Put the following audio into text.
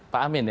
pak amin ya